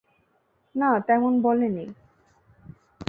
না, তেমন বলেনি।